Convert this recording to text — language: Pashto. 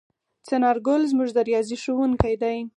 څنارګل زموږ د ریاضي ښؤونکی دی.